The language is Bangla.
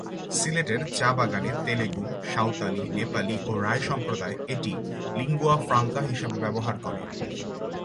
সিলেটের চা-বাগানে তেলুগু, সাঁওতালি, নেপালি ও রাই সম্প্রদায় এটি লিঙ্গুয়া ফ্রাঙ্কা হিসেবে ব্যবহার করে।